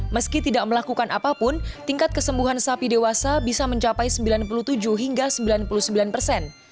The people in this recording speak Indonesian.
meski tidak melakukan apapun tingkat kesembuhan sapi dewasa bisa mencapai sembilan puluh tujuh hingga sembilan puluh sembilan persen